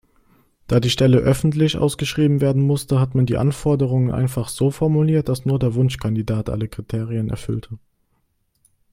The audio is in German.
Da die Stelle öffentlich ausgeschrieben werden musste, hat man die Anforderungen einfach so formuliert, dass nur der Wunschkandidat alle Kriterien erfüllte.